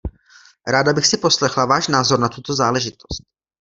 Ráda bych si poslechla váš názor na tuto záležitost.